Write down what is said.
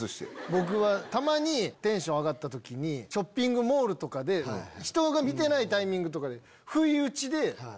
僕はたまにテンション上がった時にショッピングモールとかで人が見てないタイミングで。